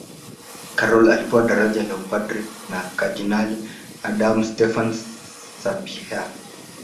Karol alipewa daraja la upadre na kardinali adam stefan sapieha